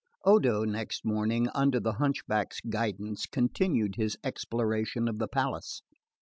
3. Odo, next morning, under the hunchback's guidance, continued his exploration of the palace.